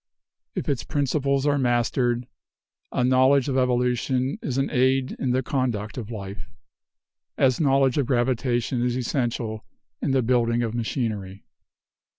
If its principles are mastered, a knowledge of evolution is an aid in the conduct of life, as knowledge of gravitation is essential in the building of machinery.